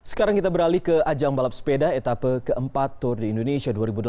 sekarang kita beralih ke ajang balap sepeda etapa keempat tour de indonesia dua ribu delapan belas